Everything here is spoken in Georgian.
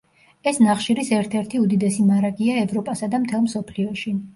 ეს ნახშირის ერთ-ერთი უდიდესი მარაგია ევროპასა და მთელ მსოფლიოში.